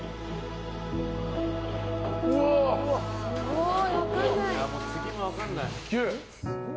すごい。